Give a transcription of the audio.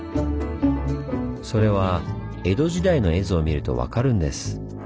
それは江戸時代の絵図を見ると分かるんです。